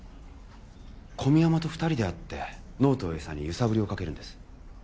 小宮山と２人で会ってノートを餌に揺さぶりをかけるんです。